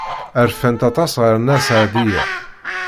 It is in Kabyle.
Rfant aṭas ɣef Nna Seɛdiya.